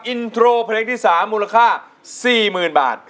อินโทรเพลงที่สามมูลค่าสี่หมื่นบาท